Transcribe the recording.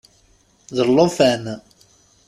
D lṭufan.